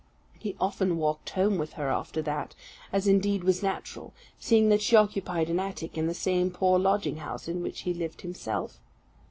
He often walked home with her after that; as, indeed, was natural, seeing that she occupied an attic in the same poor lodging house in which he lived himself.